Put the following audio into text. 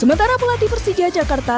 sementara pelatih persija jakarta